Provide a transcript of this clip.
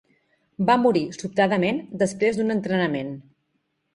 Va morir sobtadament després d'un entrenament.